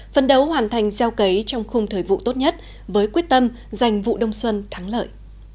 phân đấu hoàn thành gieo cấy trong khung thời vụ tốt nhất với quyết tâm giành vụ đông xuân thắng lợi